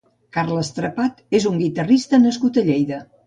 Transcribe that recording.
Carles Trepat és un guitarrista nascut a Lleida.